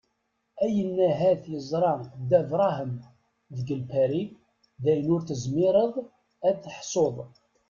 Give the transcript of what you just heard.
Ayen ahat yeẓra Dda Brahem deg Lpari dayen ur tezmireḍ ad teḥsuḍ.